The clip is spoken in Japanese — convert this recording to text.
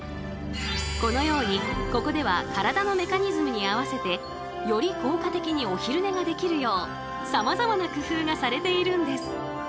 このようにここでは体のメカニズムに合わせてより効果的にお昼寝ができるようさまざまな工夫がされているんです！